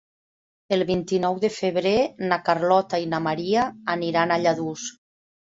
El vint-i-nou de febrer na Carlota i na Maria aniran a Lladurs.